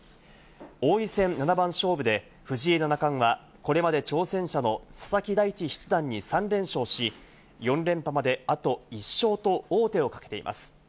王位戦七番勝負で藤井七冠はこれまで挑戦者の佐々木大地七段に３連勝し、４連覇まであと１勝と王手をかけています。